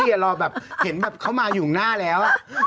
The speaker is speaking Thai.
เราแบบเห็นแบบเขามาหยุ่งหน้าแล้ว